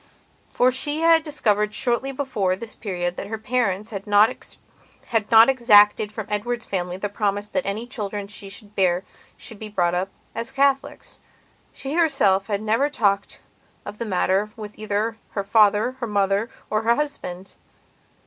For she had discovered shortly before this period that her parents had not exacted from Edward's family the promise that any children she should bear should be brought up as Catholics. She herself had never talked of the matter with either her father, her mother, or her husband.